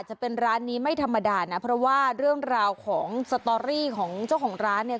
จะเป็นร้านนี้ไม่ธรรมดานะเพราะว่าเรื่องราวของสตอรี่ของเจ้าของร้านเนี่ย